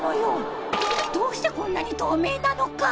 どうしてこんなに透明なのか。